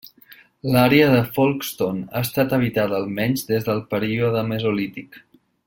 L'àrea de Folkestone ha estat habitada almenys des del període mesolític.